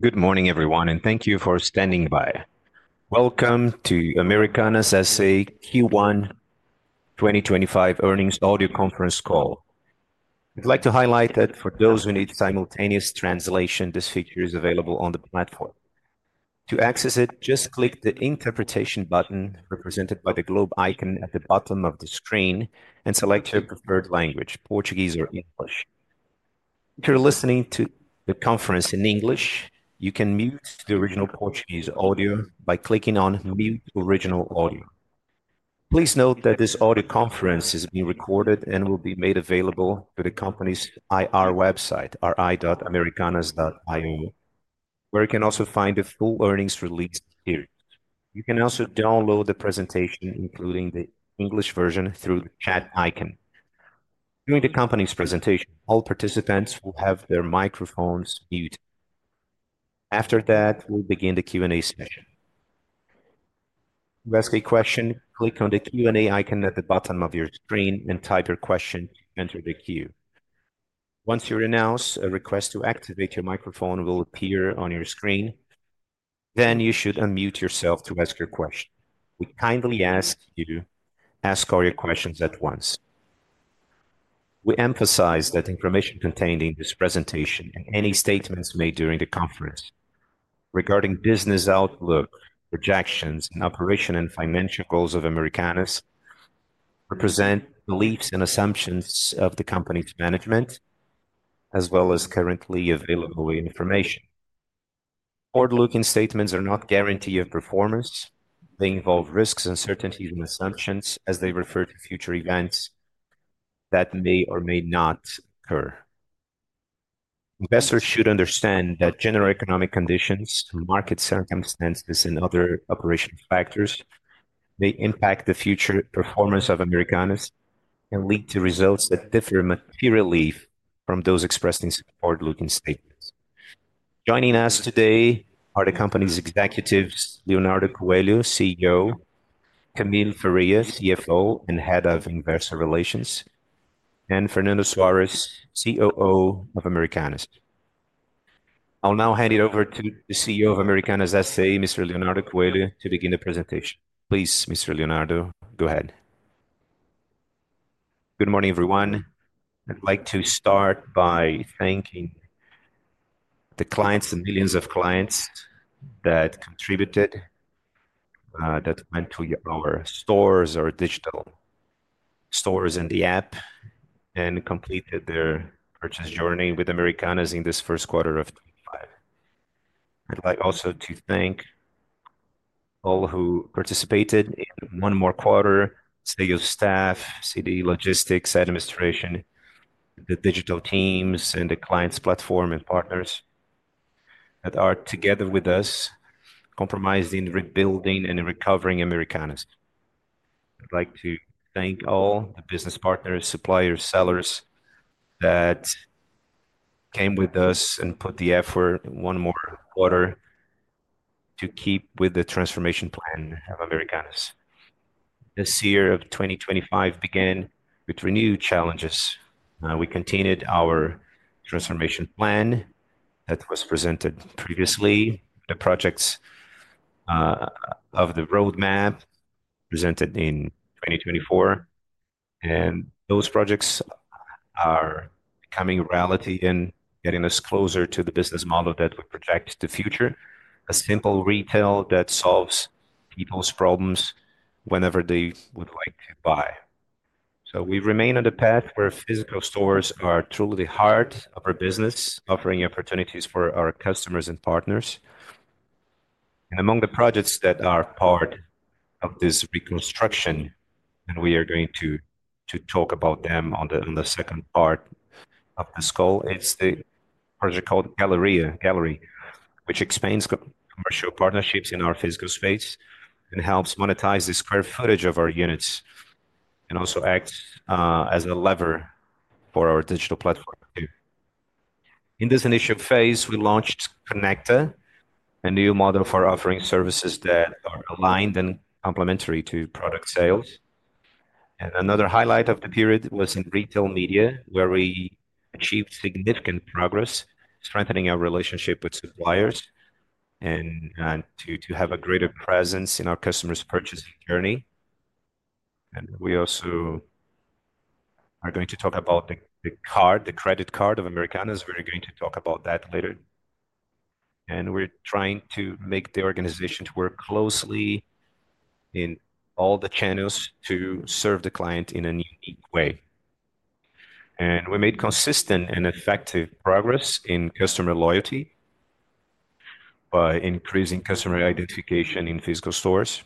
Good morning, everyone, and thank you for standing by. Welcome to Americanas SA Q1 2025 earnings audio conference call. I'd like to highlight that for those who need simultaneous translation, this feature is available on the platform. To access it, just click the interpretation button represented by the globe icon at the bottom of the screen and select your preferred language, Portuguese or English. If you're listening to the conference in English, you can mute the original Portuguese audio by clicking on Mute Original Audio. Please note that this audio conference is being recorded and will be made available to the company's IR website, ri.americanas.io, where you can also find the full earnings release series. You can also download the presentation, including the English version, through the chat icon. During the company's presentation, all participants will have their microphones muted. After that, we'll begin the Q&A session. To ask a question, click on the Q&A icon at the bottom of your screen and type your question to enter the queue. Once you are announced, a request to activate your microphone will appear on your screen. You should unmute yourself to ask your question. We kindly ask you to ask all your questions at once. We emphasize that information contained in this presentation and any statements made during the conference regarding business outlook, projections, and operational and financial goals of Americanas represent beliefs and assumptions of the company's management, as well as currently available information. Forward-looking statements are not a guarantee of performance. They involve risks, uncertainties, and assumptions as they refer to future events that may or may not occur. Investors should understand that general economic conditions, market circumstances, and other operational factors may impact the future performance of Americanas and lead to results that differ materially from those expressed in forward-looking statements. Joining us today are the company's executives, Leonardo Coelho, CEO; Camille Faria, CFO and Head of Investor Relations; and Fernando Soares, COO of Americanas. I'll now hand it over to the CEO of Americanas, Mr. Leonardo Coelho, to begin the presentation. Please, Mr. Leonardo, go ahead. Good morning, everyone. I'd like to start by thanking the clients, the millions of clients that contributed, that went to our stores or digital stores in the app and completed their purchase journey with Americanas in this first quarter of 2025. I'd like also to thank all who participated in one more quarter: CEO staff, CDE logistics, administration, the digital teams, and the clients' platform and partners that are together with us, compromised in rebuilding and recovering Americanas. I'd like to thank all the business partners, suppliers, sellers that came with us and put the effort in one more quarter to keep with the transformation plan of Americanas. This year of 2025 began with renewed challenges. We continued our transformation plan that was presented previously, the projects of the roadmap presented in 2024, and those projects are becoming a reality and getting us closer to the business model that we project the future: a simple retail that solves people's problems whenever they would like to buy. We remain on the path where physical stores are truly the heart of our business, offering opportunities for our customers and partners. Among the projects that are part of this reconstruction, and we are going to talk about them in the second part of this call, is the project called Galeria, Gallery, which expands commercial partnerships in our physical space and helps monetize the square footage of our units and also acts as a lever for our digital platform too. In this initial phase, we launched Conecta, a new model for offering services that are aligned and complementary to product sales. Another highlight of the period was in Retail Media, where we achieved significant progress, strengthening our relationship with suppliers and to have a greater presence in our customers' purchasing journey. We also are going to talk about the card, the credit card of Americanas. We're going to talk about that later. We are trying to make the organization work closely in all the channels to serve the client in a unique way. We made consistent and effective progress in customer loyalty by increasing customer identification in physical stores.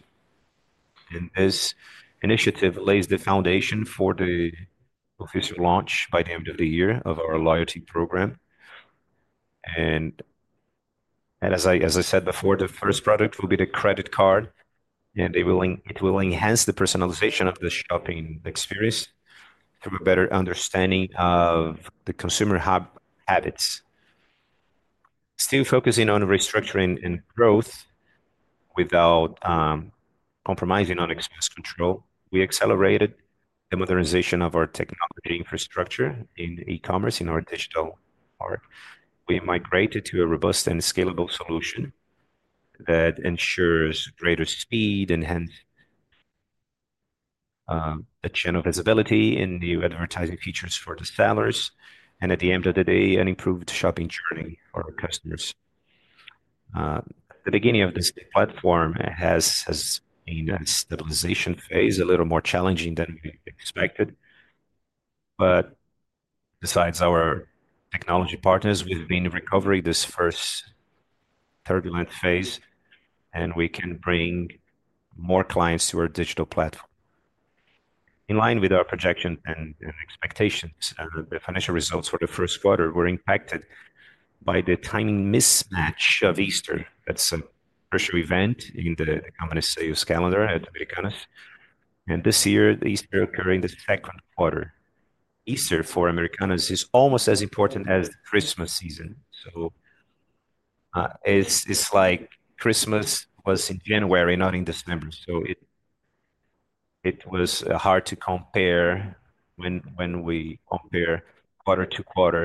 This initiative lays the foundation for the official launch by the end of the year of our loyalty program. As I said before, the first product will be the credit card, and it will enhance the personalization of the shopping experience through a better understanding of the consumer habits. Still focusing on restructuring and growth without compromising on expense control, we accelerated the modernization of our technology infrastructure in e-commerce in our digital part. We migrated to a robust and scalable solution that ensures greater speed and hence the channel visibility in the advertising features for the sellers. At the end of the day, an improved shopping journey for our customers. At the beginning of this, the platform has been a stabilization phase, a little more challenging than we expected. Besides our technology partners, we've been recovering this first turbulent phase, and we can bring more clients to our digital platform. In line with our projection and expectations, the financial results for the first quarter were impacted by the timing mismatch of Easter. That is a pressure event in the company's sales calendar at Americanas. This year, Easter occurred in the second quarter. Easter for Americanas is almost as important as the Christmas season. It is like Christmas was in January, not in December. It was hard to compare when we compare quarter to quarter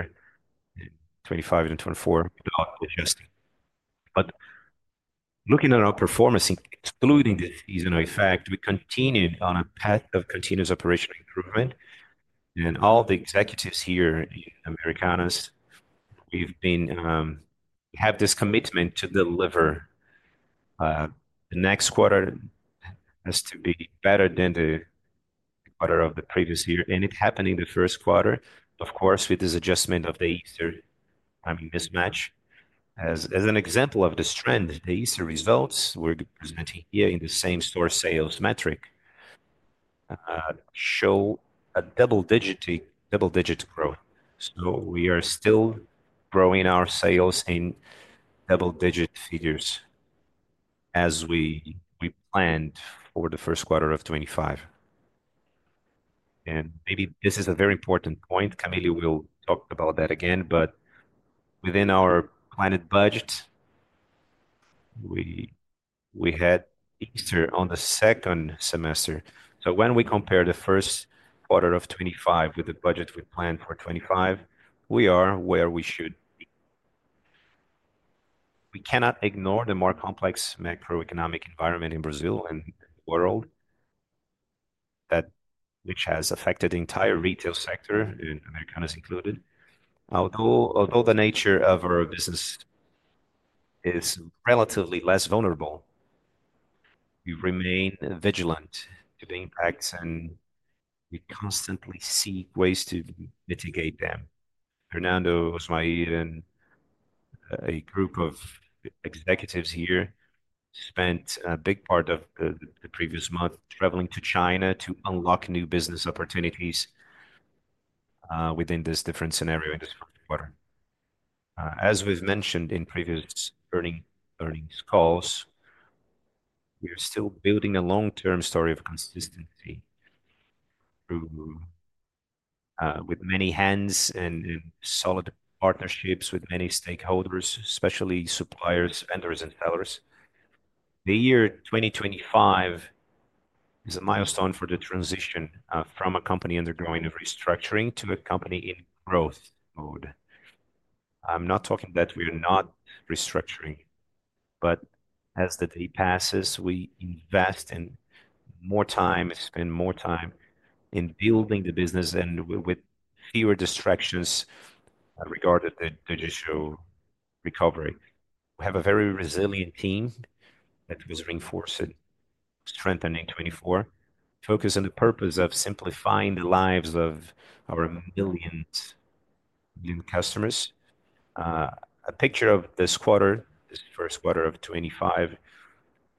in 2025 and 2024 without adjusting. Looking at our performance, excluding the seasonal effect, we continued on a path of continuous operational improvement. All the executives here in Americanas, we have this commitment to deliver. The next quarter has to be better than the quarter of the previous year, and it happened in the first quarter, of course, with this adjustment of the Easter timing mismatch. As an example of this trend, the Easter results we are presenting here in the same store sales metric show a double-digit growth. We are still growing our sales in double-digit figures as we planned for the first quarter of 2025. Maybe this is a very important point. Camille will talk about that again. Within our planned budget, we had Easter on the second semester. When we compare the first quarter of 2025 with the budget we planned for 2025, we are where we should be. We cannot ignore the more complex macro-economic environment in Brazil and the world, which has affected the entire retail sector, and Americanas included. Although the nature of our business is relatively less vulnerable, we remain vigilant to the impacts, and we constantly seek ways to mitigate them. Fernando Soares and a group of executives here spent a big part of the previous month traveling to China to unlock new business opportunities within this different scenario in this first quarter. As we have mentioned in previous earnings calls, we are still building a long-term story of consistency with many hands and solid partnerships with many stakeholders, especially suppliers, vendors, and sellers. The year 2025 is a milestone for the transition from a company undergoing restructuring to a company in growth mode. I'm not talking that we are not restructuring, but as the day passes, we invest more time, spend more time in building the business, and with fewer distractions regarding the judicial recovery. We have a very resilient team that was reinforced in strengthening 2024, focused on the purpose of simplifying the lives of our million customers. A picture of this quarter, this first quarter of 2025,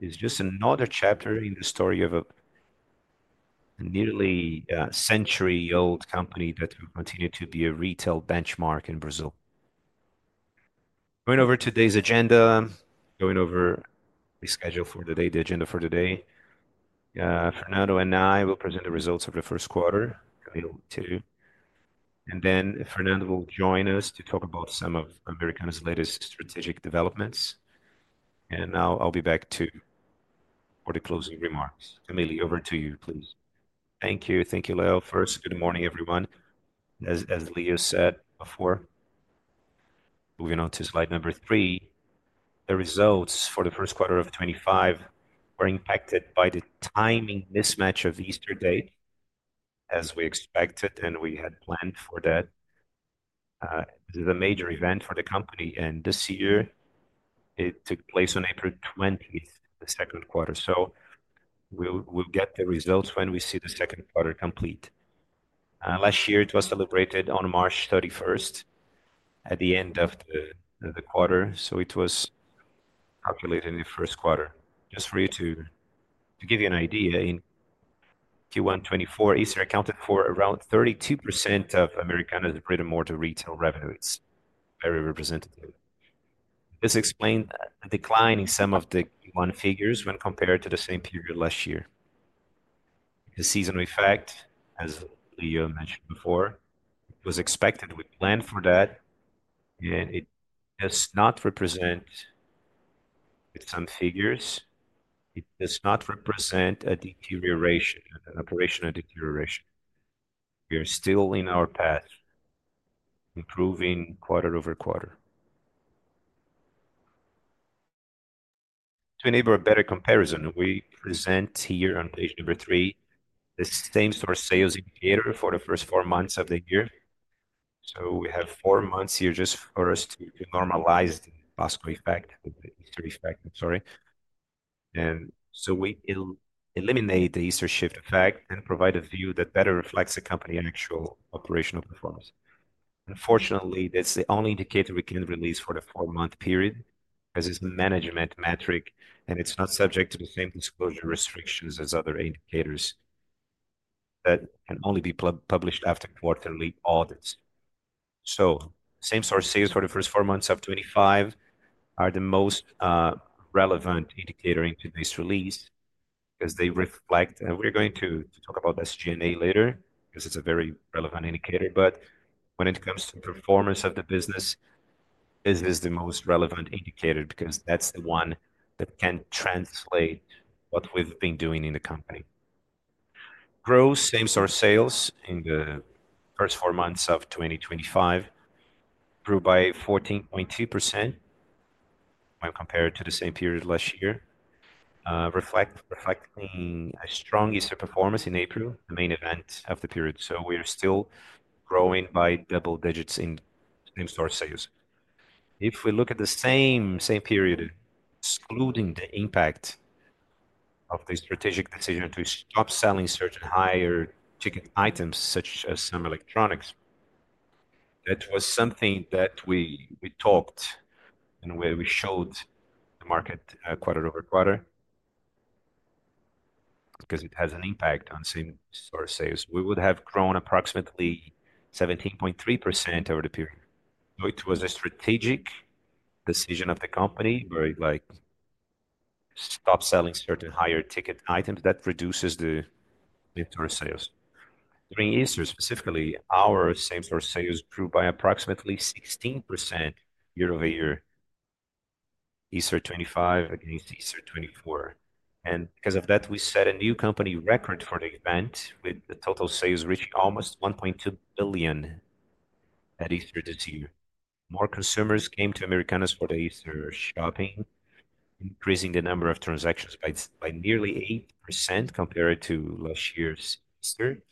is just another chapter in the story of a nearly century-old company that will continue to be a retail benchmark in Brazil. Going over today's agenda, going over the schedule for the day, the agenda for the day, Fernando and I will present the results of the first quarter, Camille too. And then Fernando will join us to talk about some of Americanas' latest strategic developments. I will be back too for the closing remarks. Camille, over to you, please. Thank you. Thank you, Leo. First, good morning, everyone. As Leo said before, moving on to slide number three, the results for the first quarter of 2025 were impacted by the timing mismatch of Easter date, as we expected, and we had planned for that. This is a major event for the company. This year, it took place on April 20th, the second quarter. We will get the results when we see the second quarter complete. Last year, it was celebrated on March 31st at the end of the quarter. It was calculated in the first quarter. Just for you to give you an idea, in Q1 2024, Easter accounted for around 32% of Americanas' brick and mortar retail revenue. It's very representative. This explained a decline in some of the Q1 figures when compared to the same period last year. The seasonal effect, as Leo mentioned before, was expected. We planned for that. It does not represent some figures. It does not represent a deterioration, an operational deterioration. We are still in our path, improving quarter-over-quarter. To enable a better comparison, we present here on page number three the same store sales indicator for the first four months of the year. We have four months here just for us to normalize the Pascoe effect, the Easter effect, I'm sorry. We eliminate the Easter shift effect and provide a view that better reflects the company's actual operational performance. Unfortunately, that's the only indicator we can release for the four-month period as it's a management metric, and it's not subject to the same disclosure restrictions as other indicators that can only be published after quarterly audits. Same store sales for the first four months of 2025 are the most relevant indicator into this release because they reflect, and we're going to talk about SG&A later because it's a very relevant indicator. When it comes to performance of the business, this is the most relevant indicator because that's the one that can translate what we've been doing in the company. Growth, same store sales in the first four months of 2025, grew by 14.2% when compared to the same period last year, reflecting a strong Easter performance in April, the main event of the period. We are still growing by double digits in same store sales. If we look at the same period, excluding the impact of the strategic decision to stop selling certain higher ticket items, such as some electronics, that was something that we talked and where we showed the market quarter-over-quarter because it has an impact on same store sales. We would have grown approximately 17.3% over the period. It was a strategic decision of the company where it is like stop selling certain higher ticket items that reduces the mid-tour sales. During Easter, specifically, our same store sales grew by approximately 16% year-over-year, Easter 2025 against Easter 2024. Because of that, we set a new company record for the event with the total sales reaching almost 1.2 billion at Easter this year. More consumers came to Americanas for the Easter shopping, increasing the number of transactions by nearly 8% compared to last year's Easter.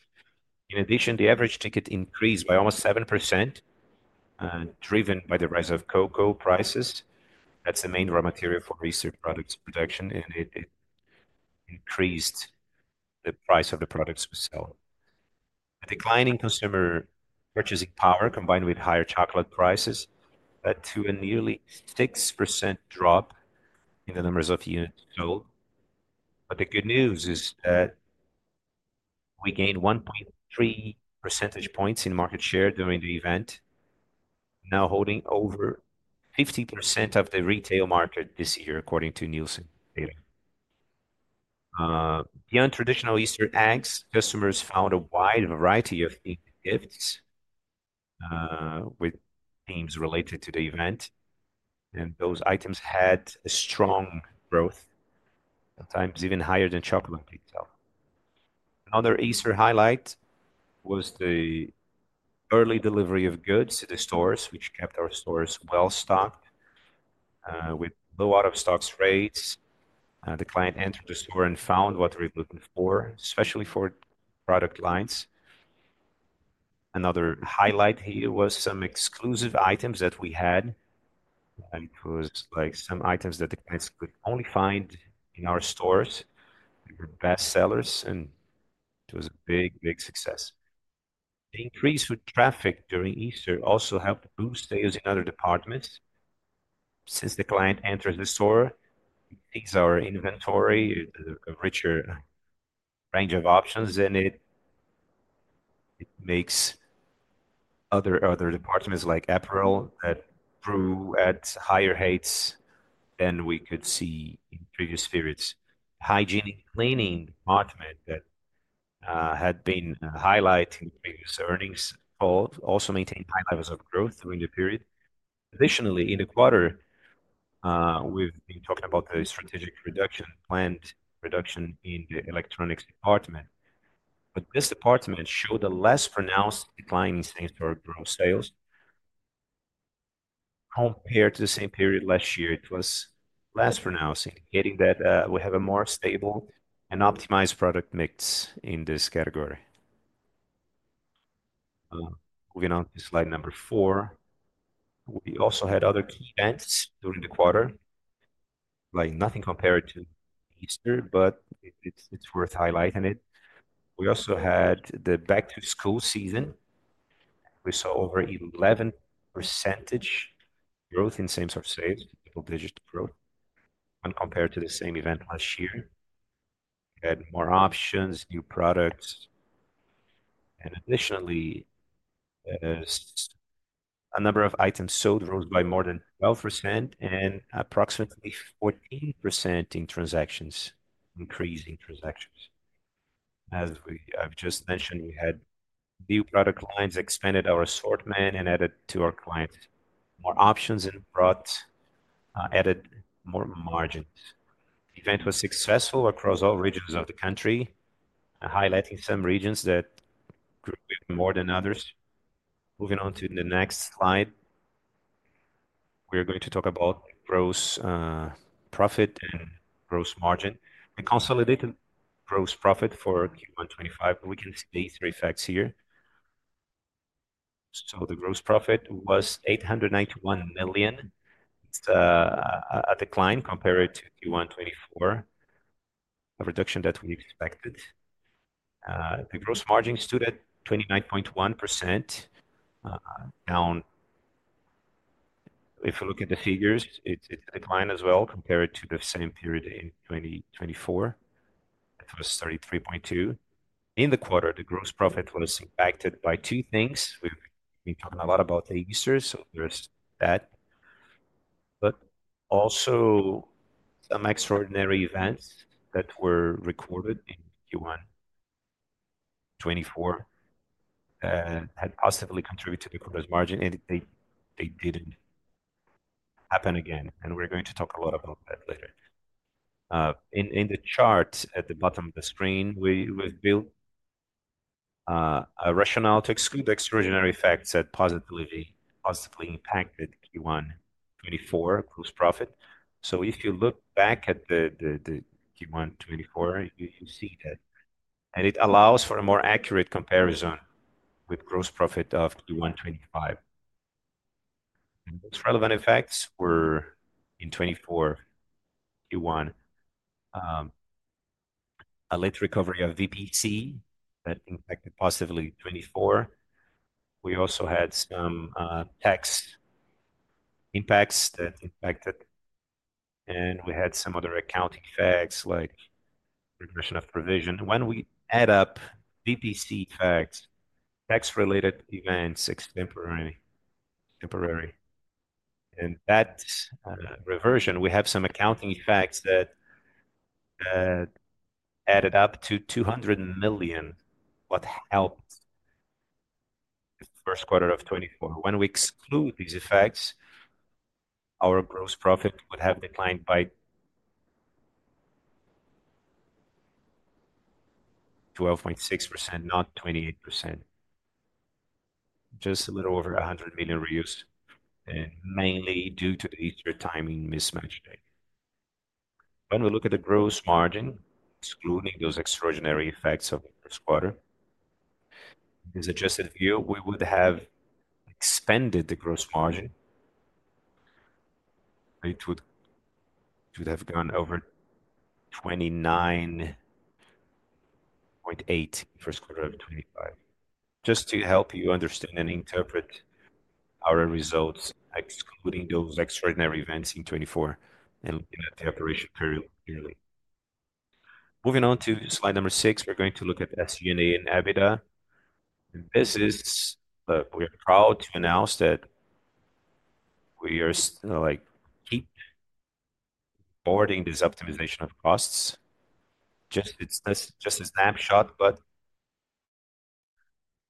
In addition, the average ticket increased by almost 7%, driven by the rise of cocoa prices. That's the main raw material for Easter products production, and it increased the price of the products we sell. The declining consumer purchasing power, combined with higher chocolate prices, led to a nearly 6% drop in the number of units sold. The good news is that we gained 1.3 percentage points in market share during the event, now holding over 50% of the retail market this year, according to Nielsen data. Beyond traditional Easter eggs, customers found a wide variety of gift gifts with themes related to the event. Those items had a strong growth, sometimes even higher than chocolate itself. Another Easter highlight was the early delivery of goods to the stores, which kept our stores well stocked with low out-of-stock rates. The client entered the store and found what they were looking for, especially for product lines. Another highlight here was some exclusive items that we had. It was like some items that the clients could only find in our stores. They were best sellers, and it was a big, big success. The increase in traffic during Easter also helped boost sales in other departments. Since the client enters the store, he sees our inventory, a richer range of options, and it makes other departments like apparel that grew at higher heights than we could see in previous periods. Hygiene and cleaning department that had been highlighting previous earnings calls also maintained high levels of growth during the period. Additionally, in the quarter, we've been talking about the strategic reduction, planned reduction in the electronics department. This department showed a less pronounced decline in same store sales growth compared to the same period last year. It was less pronounced, indicating that we have a more stable and optimized product mix in this category. Moving on to slide number four, we also had other key events during the quarter, like nothing compared to Easter, but it is worth highlighting it. We also had the back-to-school season. We saw over 11% growth in same store sales, double-digit growth when compared to the same event last year. We had more options, new products. Additionally, the number of items sold rose by more than 12% and approximately 14% in transactions, increasing transactions. As I have just mentioned, we had new product lines, expanded our assortment, and added to our clients more options and added more margins. The event was successful across all regions of the country, highlighting some regions that grew more than others. Moving on to the next slide, we're going to talk about gross profit and gross margin. We consolidated gross profit for Q1 2025, but we can see the Easter effects here. The gross profit was 891 million. It's a decline compared to Q1 2024, a reduction that we expected. The gross margin stood at 29.1%. If you look at the figures, it's a decline as well compared to the same period in 2024. It was 33.2%. In the quarter, the gross profit was impacted by two things. We've been talking a lot about the Easter, so there's that. Also, some extraordinary events that were recorded in Q1 2024 had positively contributed to the gross margin, and they didn't happen again. We're going to talk a lot about that later. In the chart at the bottom of the screen, we've built a rationale to exclude the extraordinary effects that positively impacted Q1 2024 gross profit. If you look back at Q1 2024, you see that. It allows for a more accurate comparison with gross profit of Q1 2025. Those relevant effects were in 2024, Q1, a late recovery of VPC that impacted positively 2024. We also had some tax impacts that impacted, and we had some other accounting facts like regression of provision. When we add up VPC facts, tax-related events, extemporary, and that reversion, we have some accounting facts that added up to 200 million, what helped the first quarter of 2024. When we exclude these effects, our gross profit would have declined by 12.6%, not 28%, just a little over 100 million reused, and mainly due to the Easter timing mismatch date. When we look at the gross margin, excluding those extraordinary effects of the first quarter, in the adjusted view, we would have expanded the gross margin. It would have gone over 29.8 in the first quarter of 2025. Just to help you understand and interpret our results, excluding those extraordinary events in 2024 and looking at the operation period clearly. Moving on to slide number six, we're going to look at SG&A and EBITDA. This is where we're proud to announce that we are keep forwarding this optimization of costs. Just a snapshot, but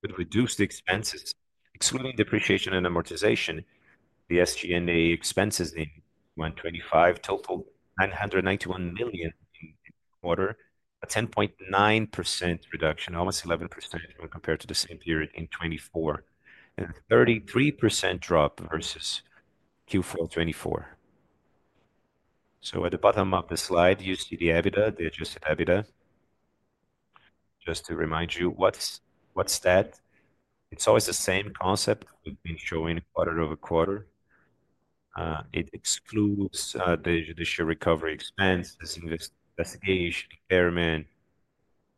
with reduced expenses, excluding depreciation and amortization, the SG&A expenses in Q1 2025 totaled 991 million in the quarter, a 10.9% reduction, almost 11% when compared to the same period in 2024, and a 33% drop versus Q4 2024. At the bottom of the slide, you see the EBITDA, the Adjusted EBITDA. Just to remind you, what's that? It's always the same concept we've been showing quarter-over-quarter. It excludes the Judicial Recovery expenses, investigation, impairment,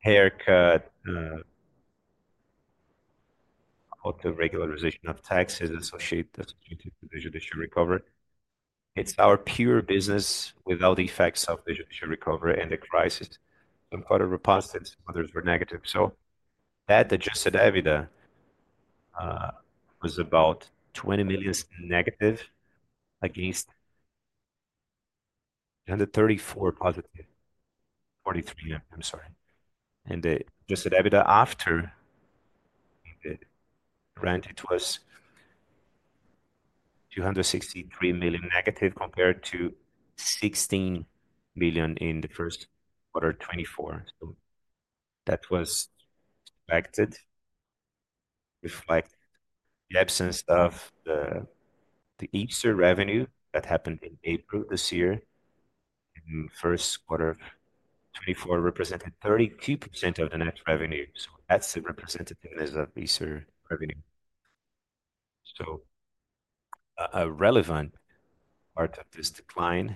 haircut, auto regularization of taxes associated with the judicial recovery. It's our pure business without the effects of the judicial recovery and the crisis. Some quarter were positive, some others were negative. That Adjusted EBITDA was about 20 million- against 234 million+, 43, I'm sorry. The Adjusted EBITDA after the rent was 263 million- compared to 16 million in the first quarter 2024. That was expected, reflected the absence of the Easter revenue that happened in April this year. In the first quarter of 2024, it represented 32% of the net revenue. That's the representativeness of Easter revenue. A relevant part of this decline,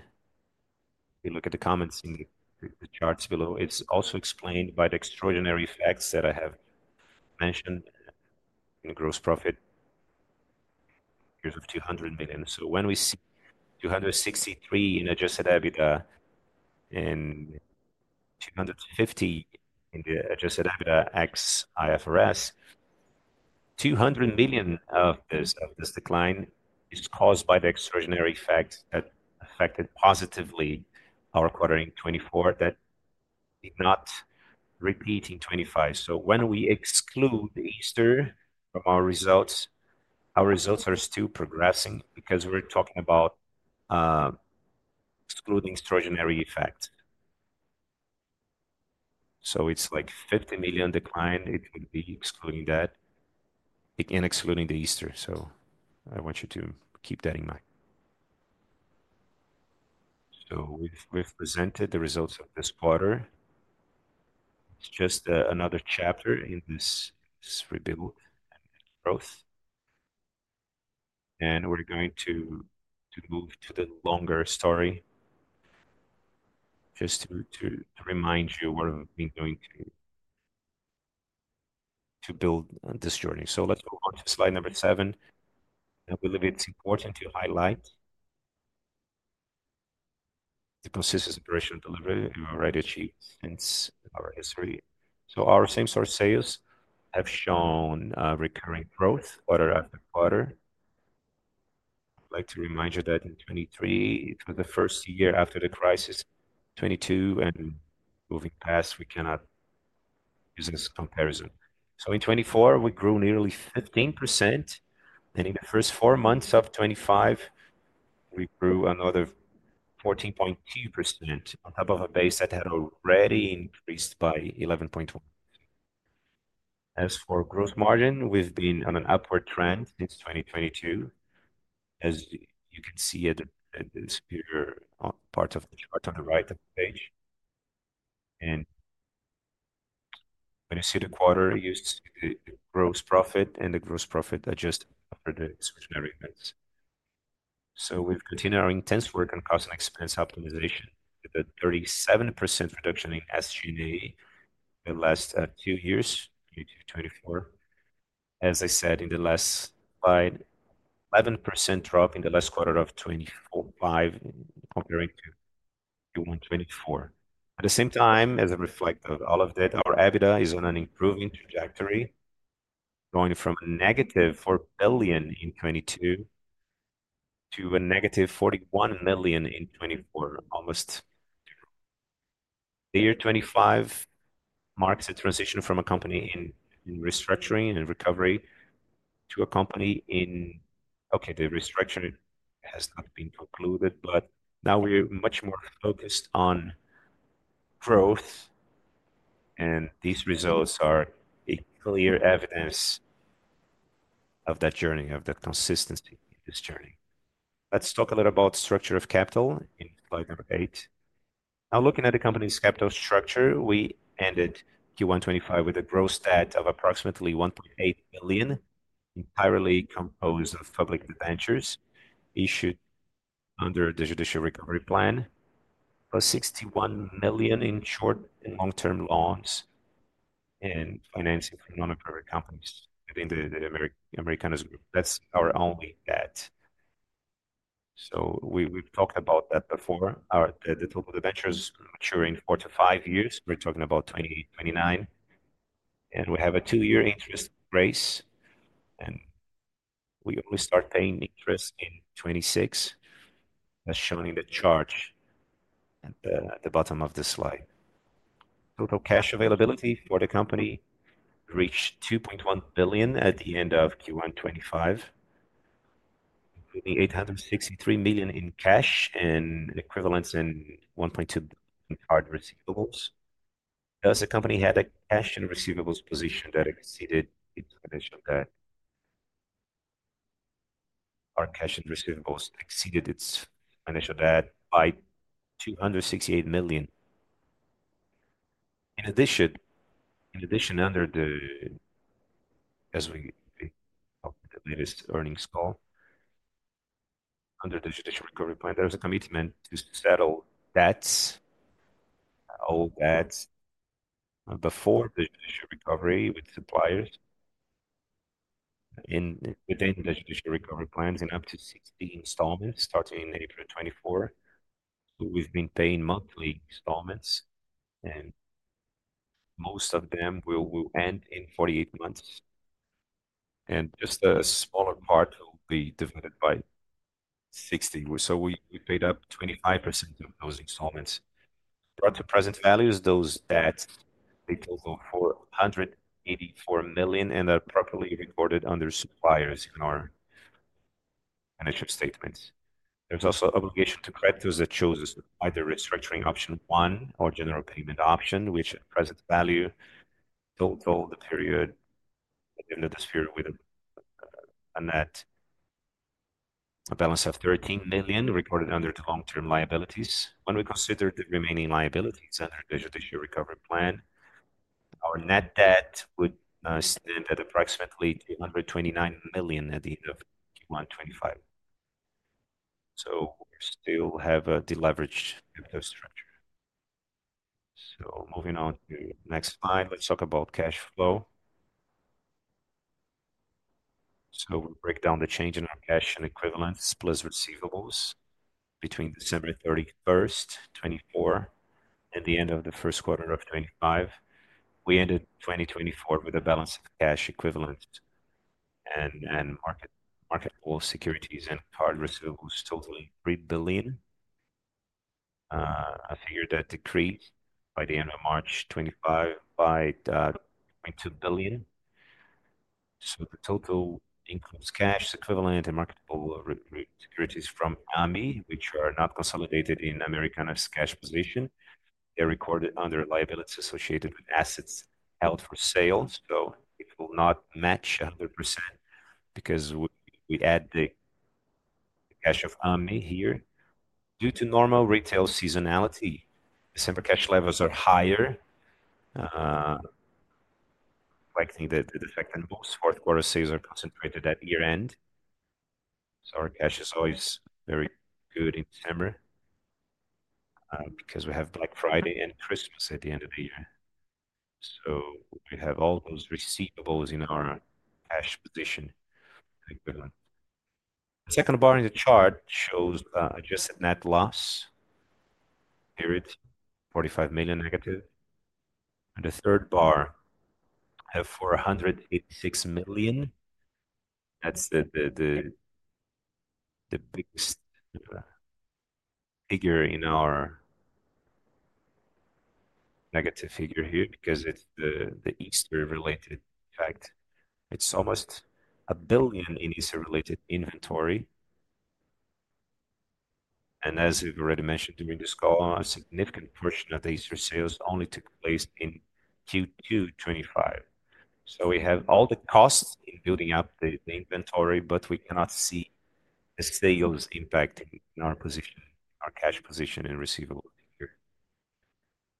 if you look at the comments in the charts below, is also explained by the extraordinary effects that I have mentioned in the gross profit in the years of 200 million. When we see 263 million in Adjusted EBITDA and 250 million in the Adjusted EBITDA ex IFRS, 200 million of this decline is caused by the extraordinary effects that affected positively our quarter in 2024 that did not repeat in 2025. When we exclude Easter from our results, our results are still progressing because we're talking about excluding extraordinary effects. It's like 50 million decline. It would be excluding that, again, excluding the Easter. I want you to keep that in mind. We've presented the results of this quarter. It's just another chapter in this rebuild and growth. We are going to move to the longer story just to remind you what we have been doing to build this journey. Let us move on to slide number seven. We believe it is important to highlight the consistent operational delivery we have already achieved since our history. Our same store sales have shown recurring growth quarter-after-quarter. I would like to remind you that in 2023, it was the first year after the crisis, 2022, and moving past, we cannot use this comparison. In 2024, we grew nearly 15%. In the first four months of 2025, we grew another 14.2% on top of a base that had already increased by 11.1%. As for gross margin, we have been on an upward trend since 2022, as you can see at the superior part of the chart on the right of the page. When you see the quarter, you see the gross profit and the gross profit adjusted after the extraordinary events. We have continued our intense work on cost and expense optimization with a 37% reduction in SG&A in the last two years due to 2024. As I said in the last slide, 11% drop in the last quarter of 2025 comparing to Q1 2024. At the same time, as a reflect of all of that, our EBITDA is on an improving trajectory, going from a -4 billion in 2022 to a -41 million in 2024, almost zero. The year 2025 marks a transition from a company in restructuring and recovery to a company in, okay, the restructuring has not been concluded, but now we are much more focused on growth. These results are clear evidence of that journey, of the consistency in this journey. Let's talk a little about structure of capital in slide number eight. Now, looking at the company's capital structure, we ended Q1 2025 with a gross debt of approximately 1.8 billion, entirely composed of public debentures issued under the judicial recovery plan, +61 million in short and long-term loans and financing from non-operating companies within the Americanas. That's our only debt. So we've talked about that before. The total debentures are maturing 4years-5 years. We're talking about 2029. We have a two-year interest grace. We only start paying interest in 2026, as shown in the chart at the bottom of the slide. Total cash availability for the company reached 2.1 billion at the end of Q1 2025, including 863 million in cash and equivalents and 1.2 billion in hard receivables. Thus, the company had a cash and receivables position that exceeded its financial debt. Our cash and receivables exceeded its financial debt by 268 million. In addition, as we talked about in the latest earnings call, under the judicial recovery plan, there was a commitment to settle debts, old debts, before the judicial recovery with suppliers and within the judicial recovery plans in up to 60 installments starting in April 2024. We have been paying monthly installments, and most of them will end in 48 months. Just a smaller part will be divided by 60. We paid up 25% of those installments. Brought to present values, those debts total 184 million and are properly recorded under suppliers in our financial statements. is also obligation to creditors that chose to buy the restructuring option one or general payment option, which at present value totaled the period at the end of this period with a net balance of 13 million recorded under the long-term liabilities. When we consider the remaining liabilities under the Judicial Recovery plan, our net debt would stand at approximately 229 million at the end of Q1 2025. We still have a deleveraged structure. Moving on to the next slide, let's talk about cash flow. We break down the change in our cash and equivalents, plus receivables between December 31st, 2024, and the end of the first quarter of 2025. We ended 2024 with a balance of cash equivalents and marketable securities and card receivables totaling 3 billion. That figure decreased by the end of March 2025 by 2.2 billion. The total income is cash equivalent and marketable securities from AMI, which are not consolidated in Americanas cash position. They're recorded under liabilities associated with assets held for sale. It will not match 100% because we add the cash of AMI here. Due to normal retail seasonality, December cash levels are higher, reflecting the effect on most fourth-quarter sales are concentrated at year-end. Our cash is always very good in December because we have Black Friday and Christmas at the end of the year. We have all those receivables in our cash position equivalent. The second bar in the chart shows adjusted net loss period, 45 million-. The third bar, we have 486 million. That's the biggest figure in our negative figure here because it's the Easter-related effect. It's almost 1 billion in Easter-related inventory. As we've already mentioned during this call, a significant portion of the Easter sales only took place in Q2 2025. We have all the costs in building up the inventory, but we cannot see the sales impacting our position, our cash position, and receivables here.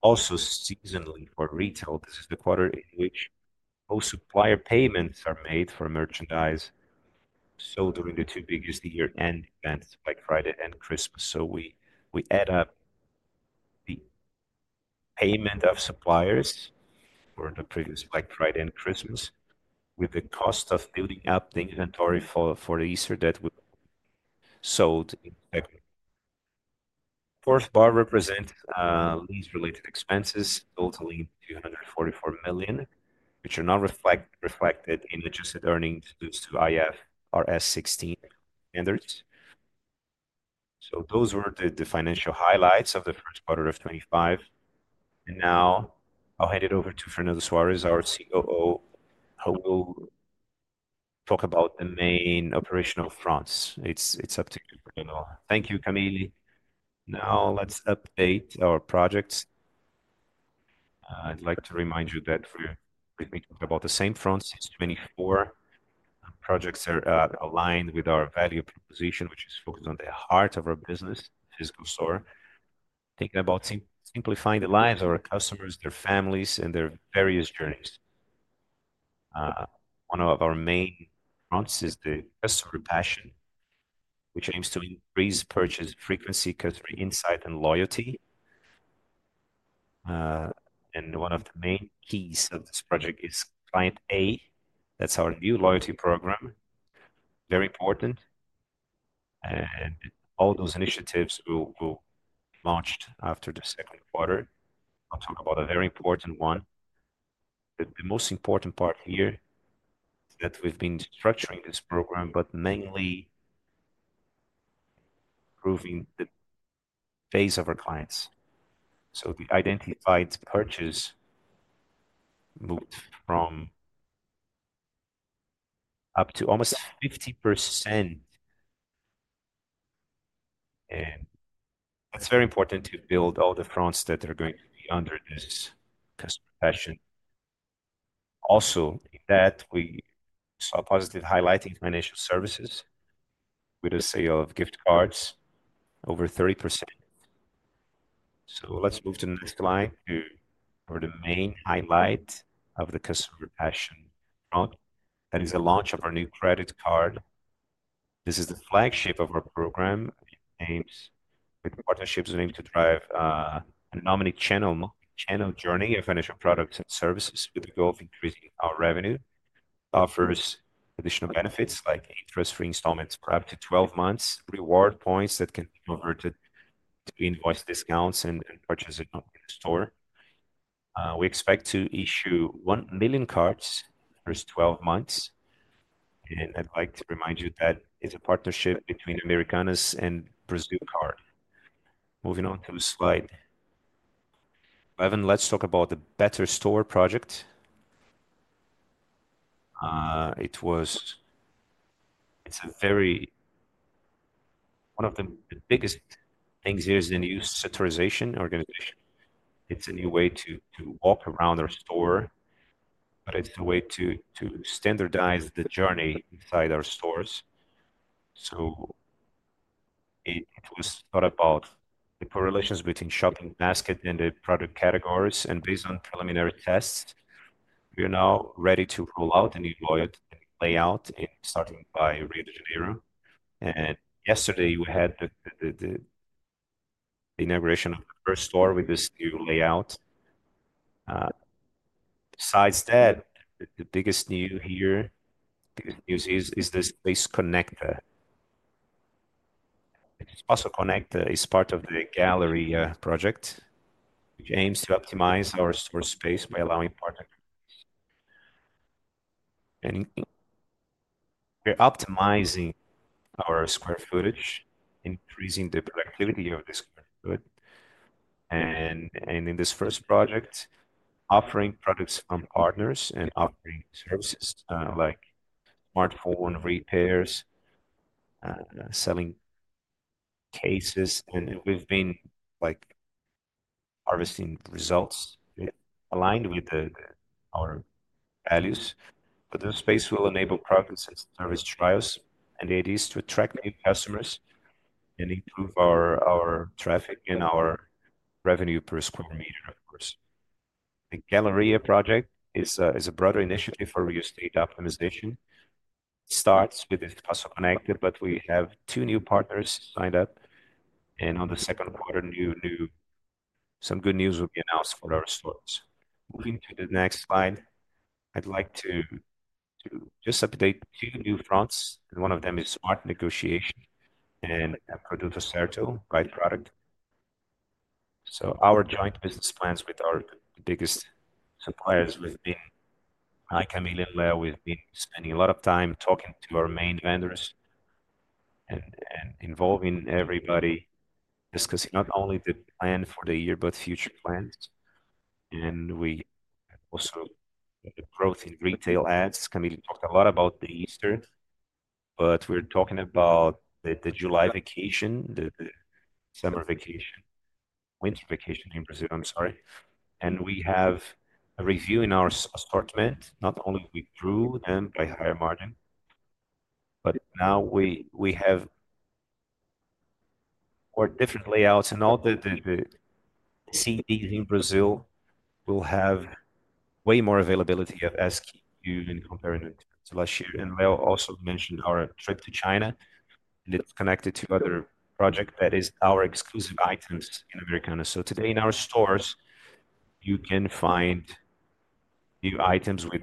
Also, seasonally for retail, this is the quarter in which most supplier payments are made for merchandise. During the two biggest year-end events, Black Friday and Christmas, we add up the payment of suppliers for the previous Black Friday and Christmas with the cost of building up the inventory for the Easter that we sold. The fourth bar represents lease-related expenses totaling 244 million, which are not reflected in adjusted earnings due to IFRS 16 standards. Those were the financial highlights of the first quarter of 2025. Now I'll hand it over to Fernando Soares, our COO, who will talk about the main operational fronts. It's up to you. Thank you, Camille. Now let's update our projects. I'd like to remind you that we're talking about the same fronts since 2024. Projects are aligned with our value proposition, which is focused on the heart of our business, [FiscoSoar], thinking about simplifying the lives of our customers, their families, and their various journeys. One of our main fronts is the customer passion, which aims to increase purchase frequency, customer insight, and loyalty. One of the main keys of this project is Client A. That's our new loyalty program, very important. All those initiatives will be launched after the second quarter. I'll talk about a very important one. The most important part here is that we've been structuring this program, but mainly improving the base of our clients. So the identified purchase moved up to almost 50%. And it's very important to build all the fronts that are going to be under this customer passion. Also, in that, we saw positive highlighting financial services with a sale of gift cards over 30%. Let's move to the next slide for the main highlight of the customer passion front. That is the launch of our new credit card. This is the flagship of our program. It aims with partnerships aim to drive a nominee channel journey of financial products and services with the goal of increasing our revenue. It offers additional benefits like interest-free installments for up to 12 months, reward points that can be converted to invoice discounts and purchases in the store. We expect to issue 1 million cards for 12 months. I'd like to remind you that it's a partnership between Americanas and Brazil Card. Moving on to slide 11, let's talk about the Better Store project. One of the biggest things here is the new sectorization organization. It's a new way to walk around our store, but it's a way to standardize the journey inside our stores. It was thought about the correlations between shopping basket and the product categories. Based on preliminary tests, we are now ready to roll out the new layout, starting by Rio de Janeiro. Yesterday, we had the inauguration of the first store with this new layout. Besides that, the biggest news here is this Space Connector. It's Espaco Conecta is part of the Galeria project, which aims to optimize our store space by allowing partners. We're optimizing our square footage, increasing the productivity of the square footage. In this first project, offering products from partners and offering services like smartphone repairs, selling cases. We've been harvesting results aligned with our values. This space will enable products and service trials. The idea is to attract new customers and improve our traffic and our revenue per square meter, of course. The Galeria project is a broader initiative for real estate optimization. It starts with this phase of Espaco Conecta, but we have two new partners signed up. In the second quarter, some good news will be announced for our stores. Moving to the next slide, I'd like to just update two new fronts. One of them is smart negotiation and Produtos Ar Certo, great product. Our joint business plans with our biggest suppliers, with me, Camille, and Leo, have been spending a lot of time talking to our main vendors and involving everybody, discussing not only the plan for the year, but future plans. We also have growth in retail ads. Camille talked a lot about the Easter, but we're talking about the July vacation, the summer vacation, winter vacation in Brazil, I'm sorry. We have a review in our assortment. Not only we grew them by higher margin, but now we have more different layouts. All the [CD] in Brazil will have way more availability, I've asked you in comparison to last year. Leo also mentioned our trip to China. It's connected to other projects that is our exclusive items in Americanas. Today in our stores, you can find new items with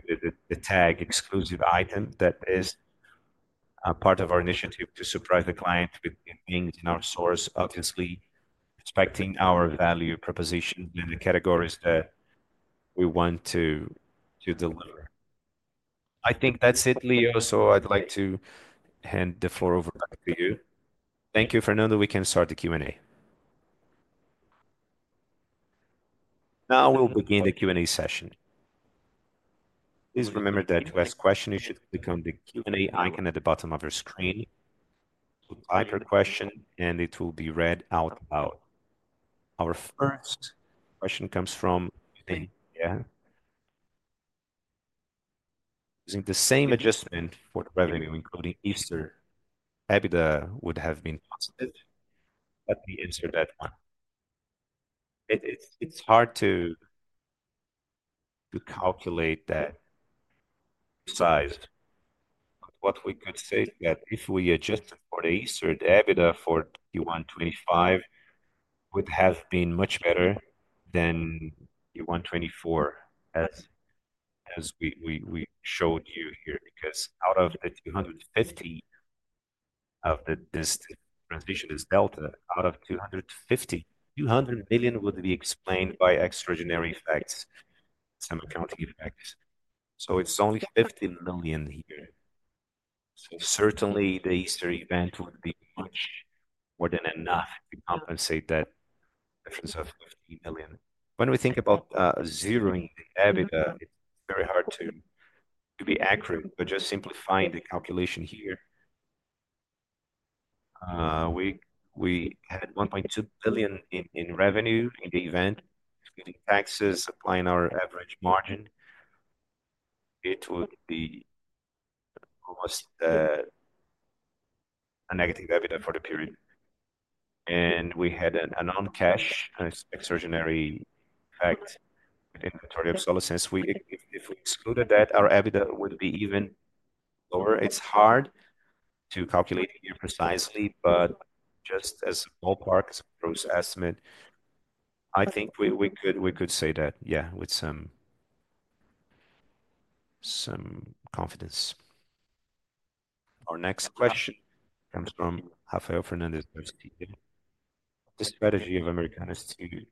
the tag exclusive item that is part of our initiative to surprise the client with things in our stores, obviously respecting our value proposition and the categories that we want to deliver. I think that's it, Leo. I'd like to hand the floor over back to you. Thank you, Fernando. We can start the Q&A. Now we'll begin the Q&A session. Please remember that to ask questions, you should click on the Q&A icon at the bottom of your screen. You'll type your question, and it will be read out loud. Our first question comes from [Amelia]. Using the same adjustment for revenue, including Easter, EBITDA would have been positive? Let me answer that one. It's hard to calculate that size. What we could say is that if we adjusted for the Easter, the EBITDA for Q1 2025 would have been much better than Q1 2024, as we showed you here, because out of the 250 million of this transition, this delta, out of 250 million, 200 million would be explained by extraordinary facts, some accounting facts. So it is only 15 million here. Certainly, the Easter event would be much more than enough to compensate that difference of 15 million. When we think about zeroing the EBITDA, it is very hard to be accurate. Just simplifying the calculation here, we had 1.2 billion in revenue in the event, excluding taxes, applying our average margin. It would be almost a negative EBITDA for the period. We had an on-cash, an extraordinary fact with inventory obsolescence. If we excluded that, our EBITDA would be even lower. It's hard to calculate here precisely, but just as ballpark's approved estimate, I think we could say that, yeah, with some confidence. Our next question comes from Rafael Fernandez Garcia. What's the strategy of Americanas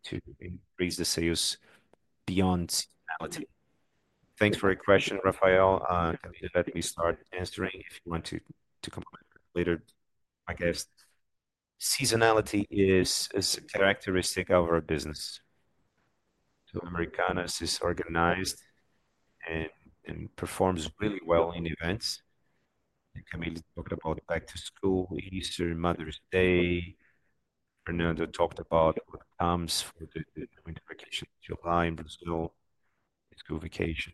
to increase the sales beyond seasonality? Thanks for your question, Rafael. Camille, let me start answering. If you want to complement later, I guess. Seasonality is a characteristic of our business. Americanas is organized and performs really well in events. Camille talked about back to school, Easter, Mother's Day. Fernando talked about what comes for the winter vacation in July in Brazil, school vacation.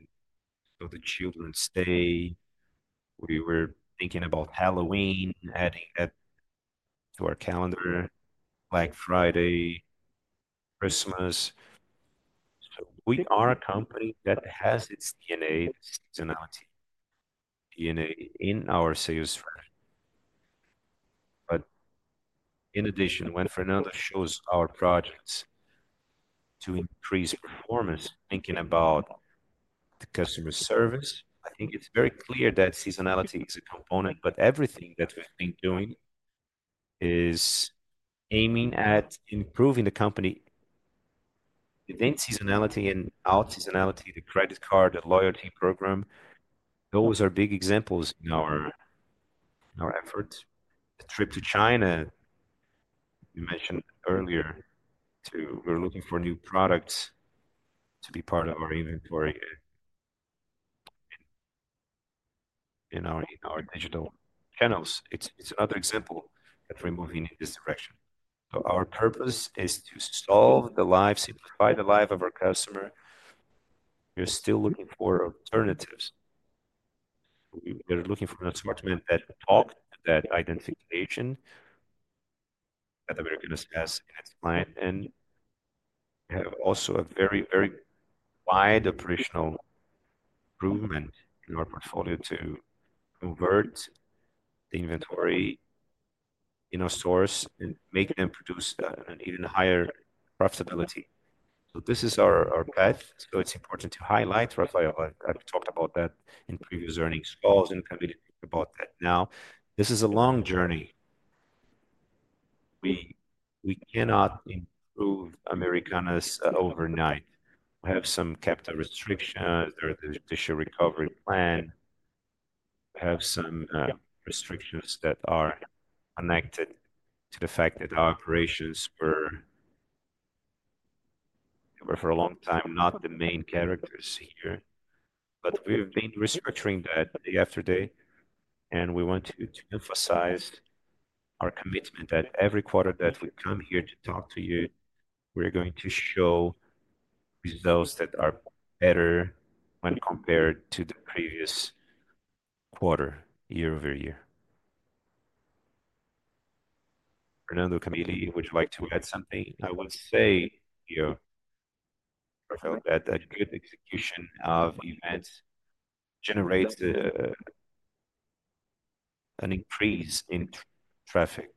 The children stay. We were thinking about Halloween, adding that to our calendar, Black Friday, Christmas. We are a company that has its DNA, the seasonality DNA in our sales strategy. In addition, when Fernando shows our projects to increase performance, thinking about the customer service, I think it's very clear that seasonality is a component. Everything that we've been doing is aiming at improving the company. Within seasonality and outseasonality, the credit card, the loyalty program, those are big examples in our efforts. The trip to China we mentioned earlier, too, we're looking for new products to be part of our inventory in our digital channels. It's another example that we're moving in this direction. Our purpose is to solve the lives, simplify the lives of our customers. We're still looking for alternatives. We're looking for an assortment that talks to that identification that Americanas has in its client. We have also a very, very wide operational improvement in our portfolio to convert the inventory in a source and make them produce an even higher profitability. This is our path. It is important to highlight, Rafael. I have talked about that in previous earnings calls, and Camille talked about that now. This is a long journey. We cannot improve Americanas overnight. We have some capital restrictions. There is a judicial recovery plan. We have some restrictions that are connected to the fact that our operations were for a long time not the main characters here. We have been restructuring that day after day. We want to emphasize our commitment that every quarter that we come here to talk to you, we are going to show results that are better when compared to the previous quarter, year-over-year. Fernando, Camille, would you like to add something? I would say here, Rafael, that good execution of events generates an increase in traffic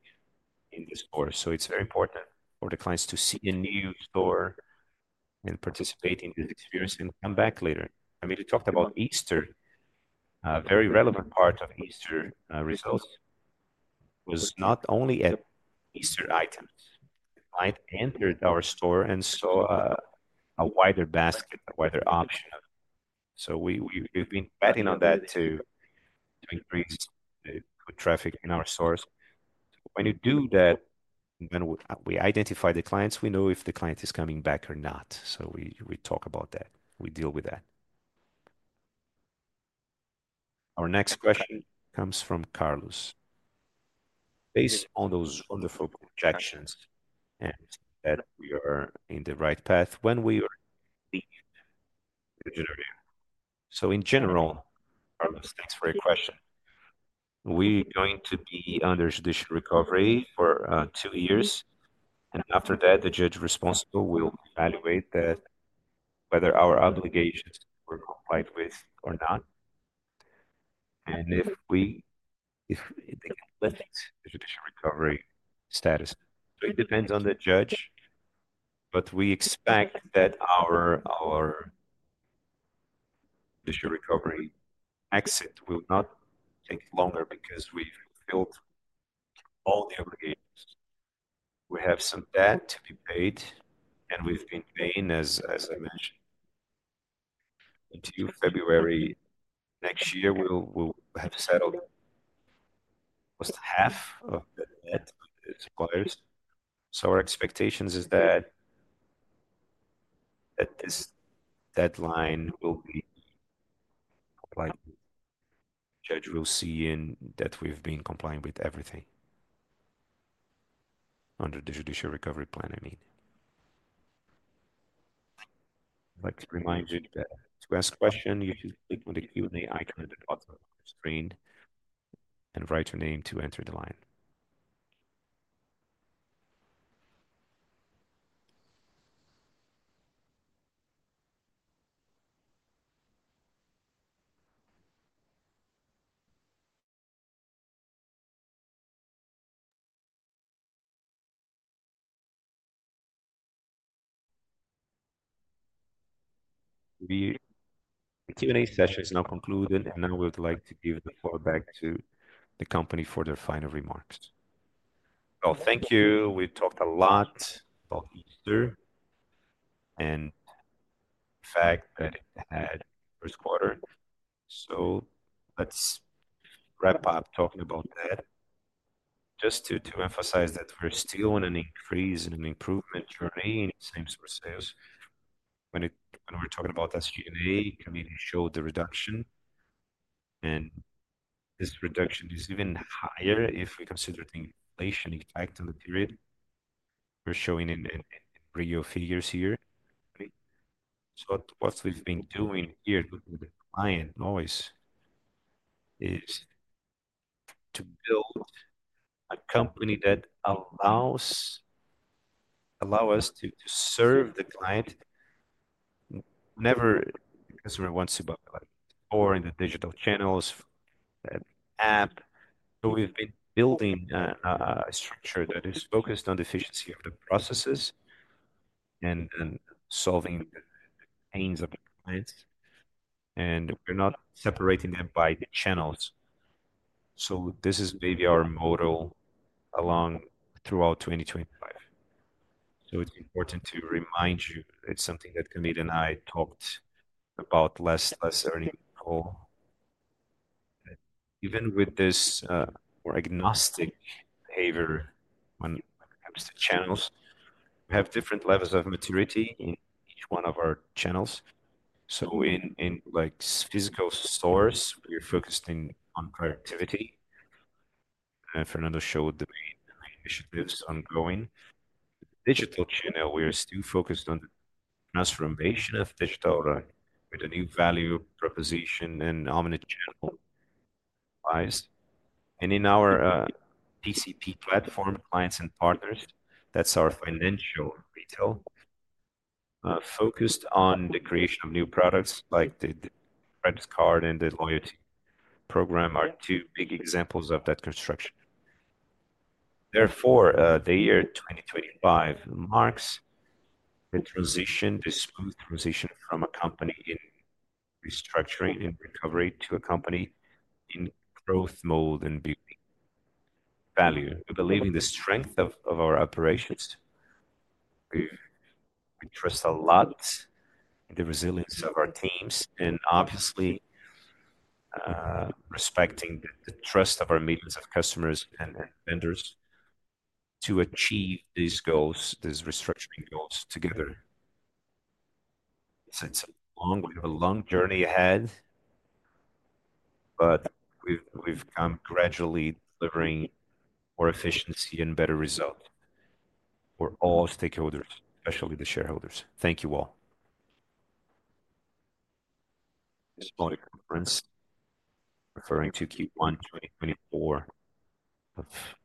in the store. It's very important for the clients to see a new store and participate in this experience and come back later. Camille talked about Easter. A very relevant part of Easter results was not only at Easter items. The client entered our store and saw a wider basket, a wider option. We've been betting on that to increase the good traffic in our stores. When you do that, when we identify the clients, we know if the client is coming back or not. We talk about that. We deal with that. Our next question comes from Carlos. Based on those wonderful projections, we are in the right path when we are in the future. In general, Carlos, thanks for your question. We're going to be under judicial recovery for two years. After that, the judge responsible will evaluate whether our obligations were complied with or not. If they can lift the judicial recovery status, it depends on the judge. We expect that our judicial recovery exit will not take longer because we have fulfilled all the obligations. We have some debt to be paid, and we have been paying, as I mentioned, until February next year. We will have settled almost half of the debt with the suppliers. Our expectation is that this deadline will be complied with. The judge will see that we have been complying with everything under the judicial recovery plan, I mean. I would like to remind you that to ask a question, you should click on the Q&A icon at the bottom of your screen and write your name to enter the line. The Q&A session is now concluded, and now we would like to give the floor back to the company for their final remarks. Thank you. We talked a lot about Easter and the fact that it had first quarter. Let's wrap up talking about that. Just to emphasize that we're still on an increase and an improvement journey in same-store sales. When we're talking about SG&A, Camille showed the reduction. This reduction is even higher if we consider the inflation impact on the period. We're showing in real figures here. What we've been doing here with the client always is to build a company that allows us to serve the client whenever the customer wants to buy a light or in the digital channels, app. We've been building a structure that is focused on the efficiency of the processes and solving the pains of the clients. We're not separating them by the channels. This is maybe our motto throughout 2025. It's important to remind you it's something that Camille and I talked about last earning call. Even with this more agnostic behavior when it comes to channels, we have different levels of maturity in each one of our channels. In physical stores, we're focused on productivity. Fernando showed the main initiatives ongoing. The digital channel, we're still focused on the transformation of digital with a new value proposition and omni-channel wise. In our TCP platform, clients and partners, that's our financial retail, focused on the creation of new products like the credit card and the loyalty program are two big examples of that construction. Therefore, the year 2025 marks the transition, the smooth transition from a company in restructuring and recovery to a company in growth mode and building value. We believe in the strength of our operations. We trust a lot in the resilience of our teams and obviously respecting the trust of our meetings of customers and vendors to achieve these goals, these restructuring goals together. It's a long journey ahead, but we've come gradually delivering more efficiency and better results for all stakeholders, especially the shareholders. Thank you all. This body of conference referring to Q1 2024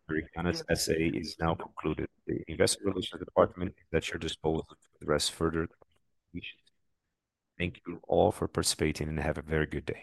of Americanas SA is now concluded. The investor relations department is at your disposal to address further issues. Thank you all for participating and have a very good.